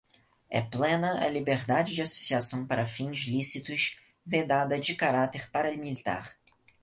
é plena a liberdade de associação para fins lícitos, vedada a de caráter paramilitar;